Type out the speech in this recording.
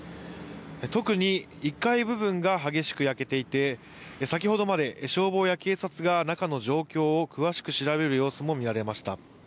特に１階部分が激しく焼けていて、先ほどまで消防や警察が中の状況を詳しく調べる様子も見られました。